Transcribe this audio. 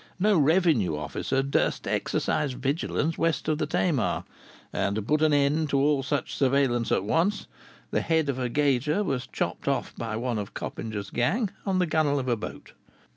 No revenue officer durst exercise vigilance west of the Tamar; and to put an end to all such surveillance at once, the head of a gauger was chopped off by one of Coppinger's gang on the gunwale of a boat.